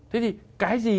thế thì cái gì